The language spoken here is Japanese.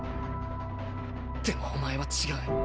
でもお前は違う。